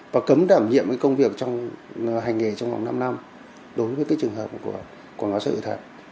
và cấm đảm nhiệm công việc trong hành nghề trong vòng năm năm đối với trường hợp của quảng cáo sách thực thật